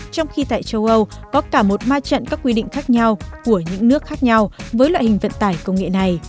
trong khi tại châu âu có cả một ma trận các quy định khác nhau của những nước khác nhau với loại hình vận tải công nghệ này